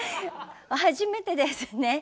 初めてですね。